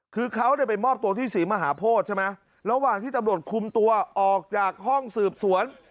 คือเขาเนี่ยไปมอบตัวที่ศรีมหาโพธิใช่ไหมระหว่างที่ตำรวจคุมตัวออกจากห้องสืบสวน